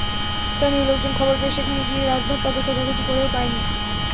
স্থানীয় লোকজন খবর পেয়ে সেখানে গিয়ে রাতভর তাদের খোঁজাখুঁজি করেও পায়নি।